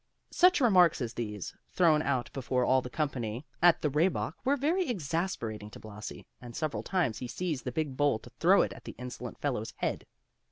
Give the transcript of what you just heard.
Such remarks as these, thrown out before all the company at the Rehbock were very exasperating to Blasi and several times he seized the big bowl to throw it at the insolent fellow's head.